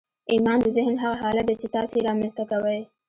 ايمان د ذهن هغه حالت دی چې تاسې يې رامنځته کوئ.